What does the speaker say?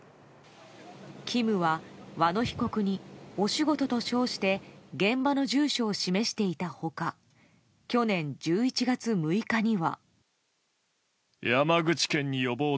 ＫＩＭは和野被告にお仕事として称して現場の住所を示していた他去年１１月６日には。